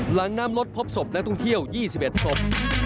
หลังน้ำรถพบศพนักท่องเที่ยว๒๑ศพ